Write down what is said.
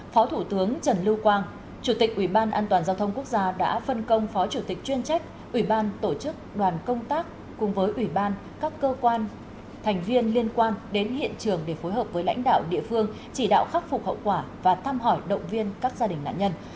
phó thủ tướng trần lưu quang chủ tịch ủy ban an toàn giao thông quốc gia đã phân công phó chủ tịch chuyên trách ủy ban tổ chức đoàn công tác cùng với ủy ban các cơ quan thành viên liên quan đến hiện trường để phối hợp với lãnh đạo địa phương chỉ đạo khắc phục hậu quả và thăm hỏi động viên các gia đình nạn nhân